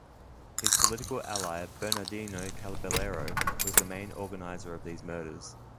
His political ally Bernardino Caballero was the main organizer of these murders.